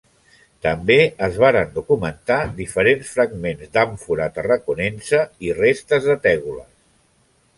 També es varen documentar diferents fragments d'àmfora tarraconense i restes de tègules.